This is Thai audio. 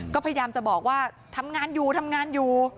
ก็พยายามจะบอกว่าทำงานอยู่